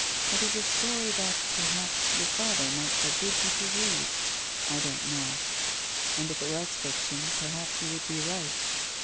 It is a story that, perhaps, your father might forbid you to read. I don't know. And, if it was fiction, perhaps he would be right.